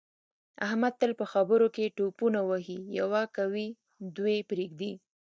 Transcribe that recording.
احمد تل په خبروکې ټوپونه وهي یوه کوي دوې پرېږدي.